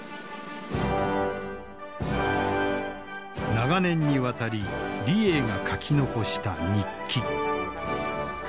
長年にわたり李鋭が書き残した日記。